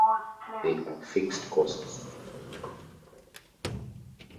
They are fixed costs.